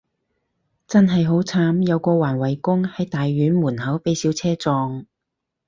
真係好慘，有個環衛工，喺大院門口被小車撞